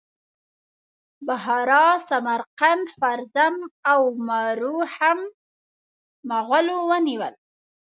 بخارا، سمرقند، خوارزم او مرو هم مغولو ونیول.